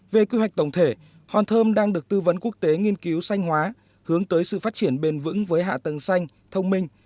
về quy hoạch tổng thể hòn thơm đang được tư vấn quốc tế nghiên cứu xanh hóa hướng tới sự phát triển bền vững với hạ tầng xanh thông minh